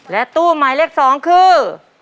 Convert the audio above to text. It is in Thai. และตู้หมายเลข๒คือ